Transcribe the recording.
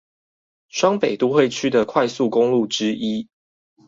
雙北都會區的快速公路之一